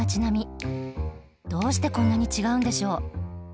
どうしてこんなに違うんでしょう？